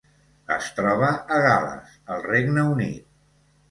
Es troba a Gal·les, al Regne Unit.